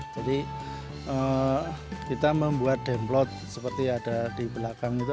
jadi kita membuat demplot seperti ada di belakang itu